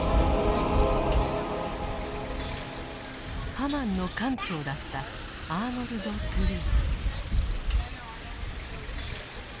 「ハマン」の艦長だったアーノルド・トゥルー。